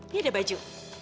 ini ada baju